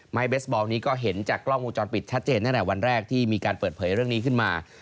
เบสบอลนี้ก็เห็นจากกล้องวงจรปิดชัดเจนตั้งแต่วันแรกที่มีการเปิดเผยเรื่องนี้ขึ้นมา